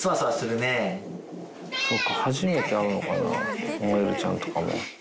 そっか、初めて会うのかな、ノエルちゃんとかも。